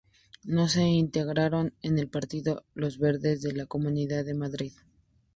No se integraron en el partido Los Verdes de la Comunidad de Madrid.